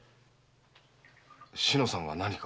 志乃さんが何か？